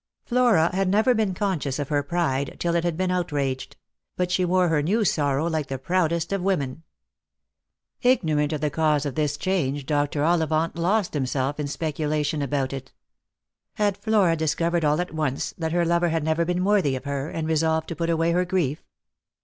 Flora had never been conscious of her pride till it had been outraged : but she wore her new sorrow like the proudest of women. Ignorant of the cause of this change, Dr. Ollivant lost him self in speculation about it. Had Flora discovered all at once that her lover had never been worthy of her, and resolved to put away her grief?